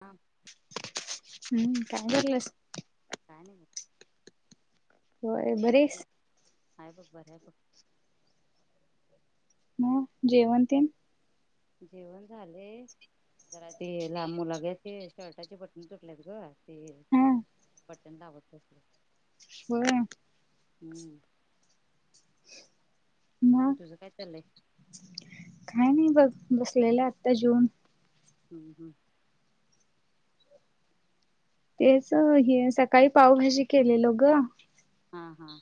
हां.. हम्म कायलास? काय नाही ग. होय बरीस काहीतरी आहेय बघ बरऱ्या बघ म जेवण ते. जेवण झाले जरा ते लांब मुलागे ते शर्टाचे बटन तुटलेत ग. ते हा बटण लावत बसले. होय. हम्म. मग तुझं काय चालय? काय नाही बघ बसलेलं आत्ता जुऊन. हम्म, हम्म. तेच हे सकाळी पावभाजी केलेल ग. हा, हा.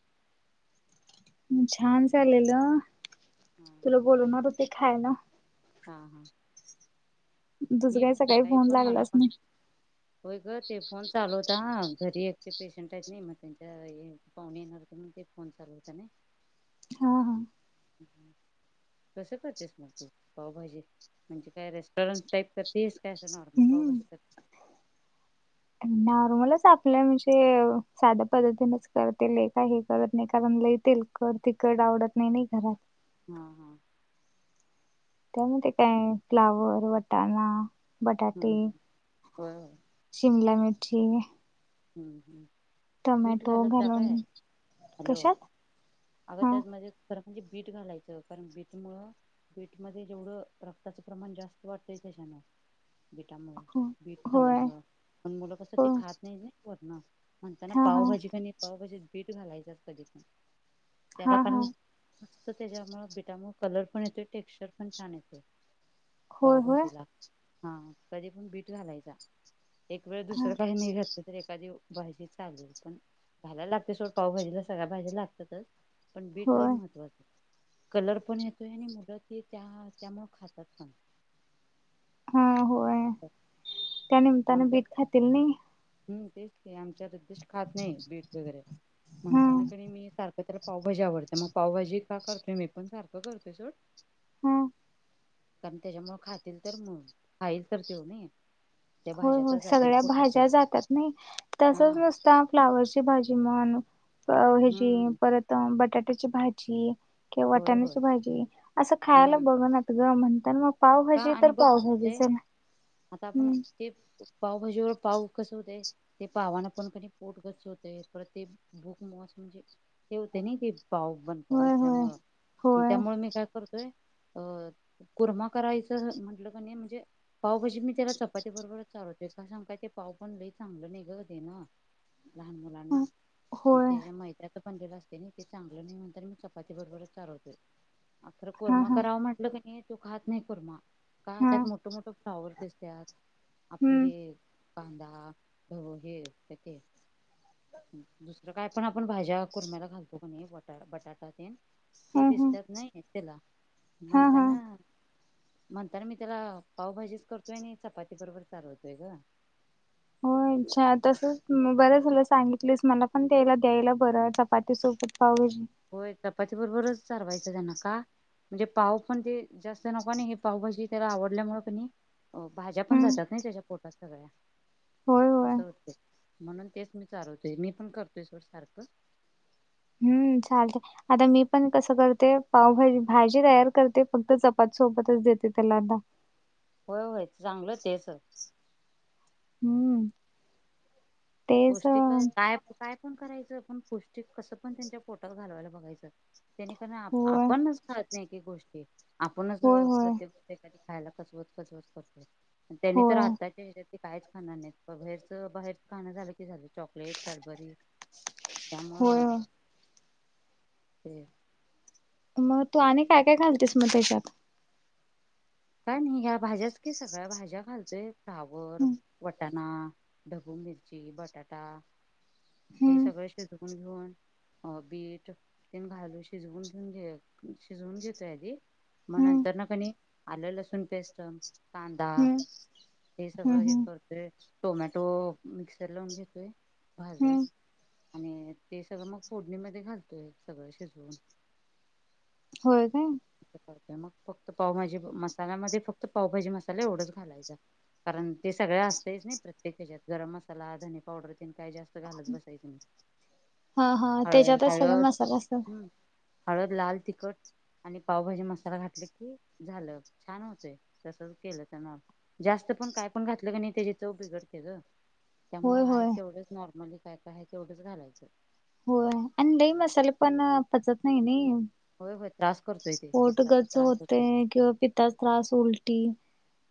छान झाचालेलं. हा.. बोलवनार होते खायला. हा, हा. तुझ मी काही सकाळी फोन पण मला लागलाच पण नाही. होय ग ते फोन चालू होता हा घरी एक ते पेशंट आहेत नाही मग त्यांच्या हे पाहूणे येणार तर मग ते फोन चालू होता ना हा हा हं कसं करतेस मग तू पावभाजी म्हणजे काय रेस्टॉरंट टाईप करते आहेस काय? तर नॉर्मल पाव हम्म भाजी करते नॉर्मलच आपल्या म्हणजे साध्या पद्धतीनेच करते हे करत नाही कारण लय तेल कट तिखट आवडत नाही ना घरात हा हा त्यामध्ये काय फ्लावर, वटाणा, बटाटे, हम्म हम्म होय होय शिमला मिरची, हम् हम् बीट टमॅटो घालत जा ग घालून हॅलो कशात अगं हा त्यामध्ये खरं म्हणजे बीट घालायचं कारण बीटमुळं बीट मध्ये जेवढं रक्ताचं प्रमाण जास्त वाढतय त्याच्यानं बीटामुळ हो बीट खाल्ल्या होय मुळ पण मुलं कसं हो ते खात नाहीत ना वरन म्हणताना हा हा पावभाजी क नाही पावभाजीत बीट घालायचं कधी पण त्याला हा हा कारण मस्त त्याच्यामुळे बिटामुळे कलर पण येतोय टेक्स्चर पण छान येतोय. होय होय पावभाजीला हा कधी पण बीट घालायचा. एक वेळ हा दुसरं काही नाही घातलं तर ए खादी भाजी चालेल पण घालायला लागते सोड पावभाजीला सगळ्या भाजी लागतातच पण बीट लय होय महत्त्वाचं आहे कलर पण येतो आहे आणि मुलं ते त्या त्यामुळ खातात पण हा होय त्या निमित्तानं बीट खातील नाही. हम् तेच की आमच्या रचित खात नाही बीट वगैरे. हा म्हणताना कणी मी सारखं तर पावभाजी आवडते मग पावभाजी का करतोय मी पण सारखं करतोय सोड हम्म कारण त्याच्यामुळे खातील तर मग खाईल तर तेव नायी हो हो सगळ्या भाज्या जातात नाही हा तसच नुसता फ्लावरची भाजी म्हण हेची हम्म परत बटाट्याची भाजी किंवा होय होय वाटाण्याची भाजी असं खायला हम्म बघनात ग म्हणताना मग का पावभाजी तर आणि बघ कसं हो पावभाजी ते चला आता आपण हम्म ते पावभाजीवर पाव कस होतय ते पावान पण क पोट गच्च होतय परत ते बुक माॅस म्हणजे ठेवते ना ती पाव बनपाव होय असल्यामुळे होय त्यामुळे मी काय करतोय अ कुर्मा करायचं म्हटलं क नाही म्हणजे पावभजी मी त्याला चपाती बरोबरच चारवते का सांगू काय ते पाव पण लई चांगलं नाही ग देणं. लहान मुलांना होय मग होय त्याच्या मैद्यचं पण असते नाही ते चांगलं नाही म्हणून मी चपाती बरोबरच चारवते अर हा कुर्मा हा कराव म्हटलं क नाही तो खात नाही कुर्मा का हा त्यात मोठ मोठ फ्लावर दिसत्यात आपले हम्म हे कांदा हे ते दुसरं काय पण आपण भाज्या कुरम्याला घालतो का बटा बटाटा ते ह ते ह दिसतात नाही त्याला हा हा म्हणताना म्हणत मी त्याला पावभाजीच करतोय आणि चपाती बरोबर चारवते ग हो अच्छा तसच बरं झालं सांगितलीस मला पण त्या्यला द्यायला बरं चपाती सोबत पावभाजी होय चपाती बरोबरच चारवायचं त्यांना का म्हणजे पाव पण ते जास्त नको. ना हे पावभजी त्याला आवडल्यामुळे पण हो भाज्या पण हम्म जातात नाही त्याच्या पोटात सगळ्या होय होय असं होते म्हणून तेच मी चारवतोय मी पण करतोय सोड सारखं हम्म चालते आता मी पण कसं करते पावभाजी भाजी तयार करते फक्त चपाती सोबतच देते त्याला आता होय होय चांगलं तेच. हम्म. तेच पौष्टिक होय काय काय पण करायचं पण पौष्टिक कसं पण त्यांच्या पोटात घालवायला बघायचं. त्यनेकण आपणच खात नाही एकी एक गोष्टी आपणच होय होय प्रत्येक एखादी खायला कचवच कचकच करतोय त्यांनी तर होय आताच्या ह्याज्यात. ते काहीच खाणर नाहीत प बाहेरच बाहेरच खाणं झालं की झालं. Chocolate Cadbury. होय त्यामुळ होय. ते. मग तू आणि काय काय घालतेस. म त्याच्यात. काय नाही ह्या भाज्याच की सगळ्या भाज्या घालतो फ्लावर हम्म वटाण. ना ढबू मिरची बटाटा हे हम्म सगळे शिजकून घेऊन. अ बीट तेन घालू शिजवून घेऊन घे शिजवून घेतोय आधी. म हम्म नंतर ना, कनी आलं लसूण पेस्ट. कांदा हम्म हे सगळं हे हम्म करते. टोमॅटो मिक्सर लावून घेतोय भाजून. हम्म ते सगळं मग फोडणीमध्ये घालतोय सगळं शिजवून. हो काय. तस करते मग फक्त पावभाजी मसाला मध्ये फक्त पावभाजी मसाला एवढंच घालायचा. कारण ते सगळ्या असतच नाही प्रत्येक ह्याच्यात गरम मसाला धनी पावडर तेन काही जास घालत बसायचं नाही हा हा हळद त्याच्यातच हळद सगळं मसाला असत हम्म. हळद. लाल तिखट. आणि पावभाजी मसाला घातले की झालं छान होतोय तसच केलं त्यान. जास्त पण काय पण घातलं की नाही त्याची चव बिघडते ग. त्यामुळ होय हा होय तेवढंच नॉर्मली काय काय आहे तेवढंच घालायचं. होय आणि लई मसाले पण पचत नाही नई. होय होय त्रास करतोय ते पोट पित्ताचा गच त्रास होतोय होतेय किंवा पितास त्रास उलटी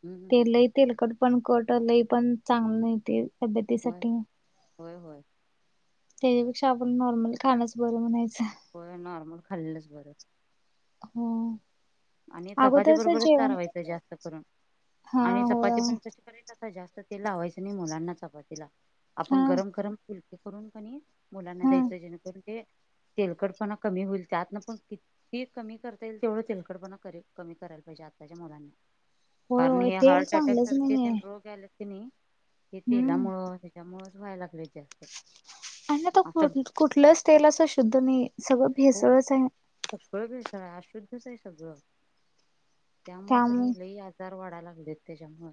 हम्म ते हम्म. लई तेलकट पण कट लय पण चांगलं नाही ते होय तब्यतीसाठी. होय होय. त्याच्यापेक्षा आपण नॉर्मल खाण्याच बरं म्हणायचं. होय नॉर्मल खाल्लंच बरं. हो. आणि चपाती अगोदरच बरोबरच जेवण चारवायचं जास्त करून हा आणि हो चपाती पण कश चपाती [unintelligible] जास्त ते लावायच नाही मुलांना चपाती बरोबर हा आपण गरम गरम फुल ते करून कनी मुलांना हा द्यायचं जेणेकरून ते तेलकडपणा कमी होईल त्यातन पण किती कमी करता येईल तेवढं तेलक. तेलकटपणा करी कमी करायला पाहिजेआताच्या मुलांना. होय कारण होय हे तेल हार्ट चांगलंच अटॅकसारखे ती नाहीये रोग आले कि नाही. हे तेलामुळं त्याच्यामुळंच व्हायला लागले जास आण त कुठ कुठलंच तेल असं शुद्ध नाही सगळं हो भेसळच आहे. सगळं भेसळ आहे अशुद्धच आहे सगळं त्यामुळ कनी त्यामुळे लई आज. आजार वाढायलागले त्याच्यामुळ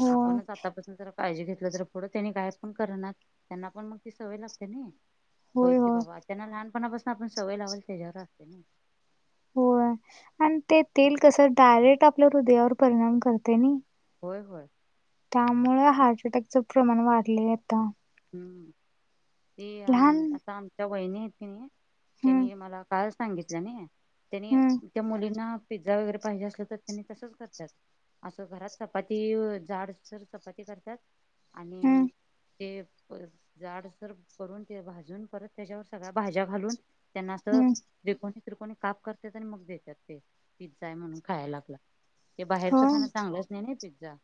होय आपणच आतापासून काहिजी घेतलं तर पुढं त्यांनी काय पण करणार त्यांना पण मग ती सवय लागते नाही. होय होयती होय बाबा त्यांना लहानपणापासून आपण सवय लावाल त्याच्यावर असते ना. होय आणि ते तेल कस डायरेक्ट आपल्या हृदयावर परिणाम करते नही. होय होय. त्यामुळे हार्ट अटॅकचं प्रमाण वाढले आता. हम्म ती लहान अम्म आता आमच्या वहिणी हेत की नी हम्म त्यानी मला काळच. [unintelligible] सांगितलं नाही त्यानी हम्म त्या मुलींना पिझ्झा वगैरे पाहिजे असलं तर त्यांनी तसच करतात. असं घरात चपाती व झाडसर चपाती करतात आणि हम्म ते होय झाड सर करून ते भाजून परत त्याज्यावर सगळ्या भाज्या घालून त्यांना आसं हम्म त्रिकोणी त्रिकोणी काप करतात. आणि मग देतात ते पिझ्झा आहे. म्हणून खायला आपला. ते बाहेरचं होय खाणं चांगलंच नाही. ना पिझ्झा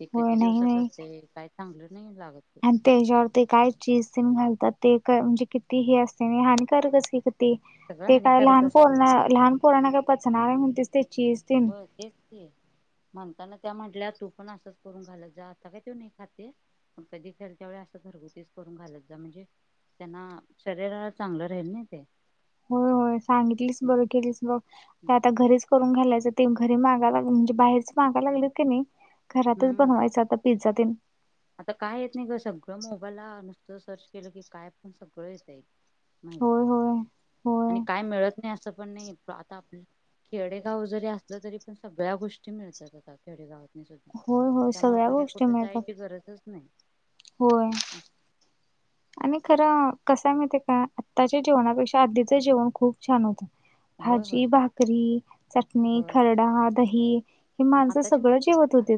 ते होय किती नाही दिवसात नाही असते. काही चांगलं नाही लागत. [unintelligible] आणि त्याच्यावर ते काय चीज घालतात ते म्हणजे किती हे असते हिककच ते सगळं ते काय हानिकारच लहान पळ असते लहान पोळना काय पचनाय म्हणतेस त्याचीज हो तेच ते म्हणताना त्या म्हटल्या तू पण असंच करून घालयत जा आता काय तो नाही खाते प कधी खल त्यावेळे असं घरगुतीच करून घालत जा म्हणजे त्यांना शरीराला चांगलं राहील नाही ते हो होय सांगितलीस बरं केलीस बघ [unintelligible] ते आता घरीच करून घालायचं ते घरी मागाय लाग म्हणजे बाहेरच मागा लाग क नाही घरातच हम्म बनवायचं आता पिझ्झा ते आता काय येत नाही का सगळं मोबाईलला नुसतं सर्च केलं की काय पण सगळं येत आहे माहिती होय होय होय आणि काय मिळत नाही असं पण नाही आता आपलं [unintelligible] खेडेगाव जरी असलं तरी पण सगळ्या गोष्टी मिळतात आता खेडेगावात होय होय त्यामुळे सगळ्या बाहेर गोष्टी कुठे मिळतात जायची गरजच नाही होय आणि खरं कसा माहती का आत्ताच्या जेवणापेक्षा आधीचं जेवण खूप छान होतं होय होय भाजी भाकरी चटणी खरडा दही हे माणसं आताच्या सगळं मध्ये जेवत होते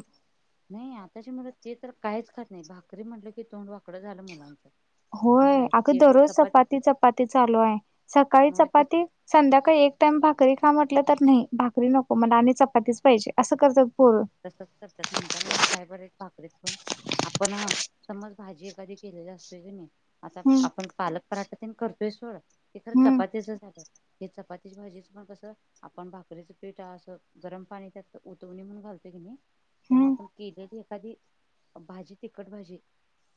नाही आताची मुलं ते तर काहीच खात नाही भाकरी म्हटलं की तोंड वाकडं झालं मुलांचं होय असं आहे ते अगं एक वेळ दररोज चपाती चपाती चालू आहे सकाळी मग तेच चपाती संध्याकाळी एक टाइम भाकरी का म्हटलं तर नाही भाकरी नको म्ह आणि चपातीच पाहिजे असं करतात पोर तसंच करतात म्हणता ना क काय बर पाकेत पण [unintelligible] आपण ह समज भाजी एखादी केलेली असते की नाही आता हम्म आपण पालक पराठा ते करतोय सोड ते खरं हम्म चपातीचं झाग हे चपातीची भाजीचं पण कसं आपण भाकरीचं पिठा असं गरम पाणी त्यात दोणी म्हणून घालतोय की नाही तेव्हा हम्म आपण केले एखादी भाजी तिखट भाजी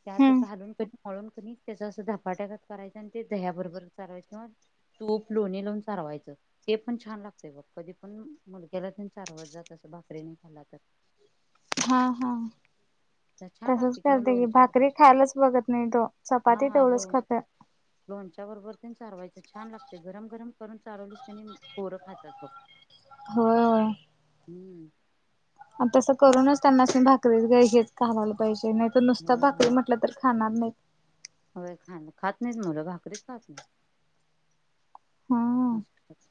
त्यात हम्म घालून क मळून कध त्याच असं धपाट्याकत करायचं आणि ते दह्या बरोबर चालवायचं मग तूप लोहणी लावून सारवायचं ते पण छान लागते बघ कधी पण मुलग्याला त्यांचारवत जात अस भाकरी नाही खाला तर हा हा [unintelligible] छान तसच लागते किंवा करते की लोणच्या भाकरी खायलाच बघत नाही तो चपाती हा लो तेवढंच खात लोणच्या बरोबर ते चारवायचं छान लागते गरम गरम करून चालवलीस क पोरं खातात ब [unintelligible] हो हम्म तसं करूनच त्यांना भाकरी हेच खायला पाहिजे नाही तर नुसता होय भाकरी म्हटलं तर खाणार नाही हय खाान खात नाही मुलं भाकरीच खात नाही हा. नच्छा [unintelligible]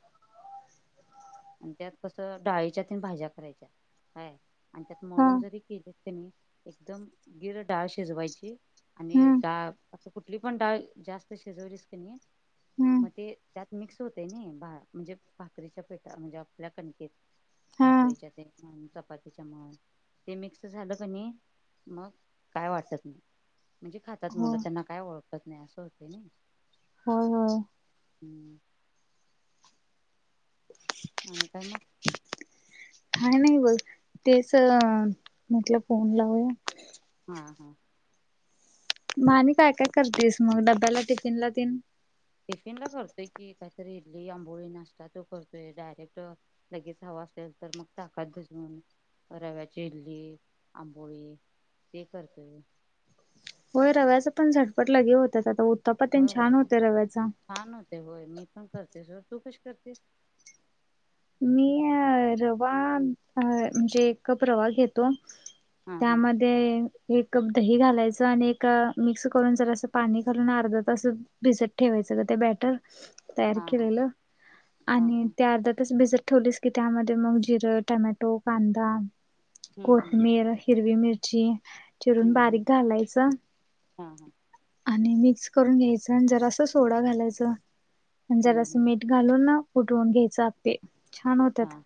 आणि त्यात कसं डाळीच्यातील भाज्या करायच्या हय आणि त्यात हा. मळून जरी केले तनी एकदम गिर डाळ श जवायची आणि हम्म डाळ आता कुठली पण डाळ जास्त शिजवलीस क नाही हम्म मग ते त्यात मिक्स होतय ना भा म्हणजे भाकरीच्या पेठा म् णजे आपल्या कणकेत हा. भाकरीच्या ते म्हण चपातीच्या म्हण ते मिक्स झालं क नाही मग काय वाटत नाही म्हणजे खातात हो मुलं त्यांना काय ओळखत नाही असं होत ना होय होय. हम्म [unintelligible] आणि काय मग [unintelligible] [unintelligible] खाय नाही बोल. तेच म्हटलं फोन लावू. हा हा. म आणि काय काय करतेस मग डब्याला टिफिन ला तेन. टिफिन ला करतोय की काहीतरी इडली, आंबोळी, नाश्ता तो करतोय डायरेक्ट लगेच हवा असेल तर मग ताकात भिजवून रव्याची इडली, आंबोळी ते करते. होय रव्याचा पण झटपट लगे होतच आता उत्तप्पा तेन होय होय छान होते रव्याचा. छान होते होय मी पण करतेस व तू कशी करतेस? मी अ रवा म्हणजे एक कप रवा घेतो हा हा त्याम ते एक कप दही घालायचं आणि एक मिक्स करून जरा सा पाणी घालून अर्धा तास भिजत ठेवायचं गं ते बॅटर तयार हा हा केलेलं हा आणि हा त्या अर्ध तास भिजत ठेवलीस की त्यामध्ये मग जिरं, टमॅटो, कांदा, हम्म कोथमीर हिरवी मिरची चिरून हम्म बारीक घालायचा हम्म हम्म हा हा आणि मिक्स करून घ्यायचं जरासा सोडा घालायचं, हम्म जरासा हम्म मीठ घालून ना उटरुन घ्यायचं अप्पे छान होतात. हा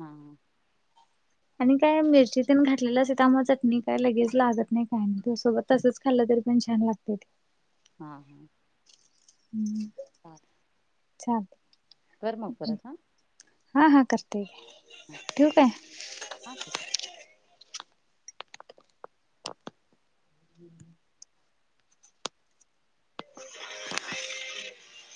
हा. आणि काय मिरचीतेन घातलेलं असे त्या मग चटणी काय लगेच लागत नाही काय त्या सोबत तसेच खाल्लं तरी पण छान लागते. हा हा. हम्म. हां. छान ते. कर म परत हा. हा हा करते हा ठेवू काय? [unintelligible] हम्